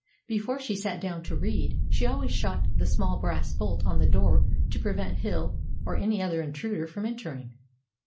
Before she sat down to read, she always shot the small brass bolt on the door to prevent Hill or any other intruder from entering.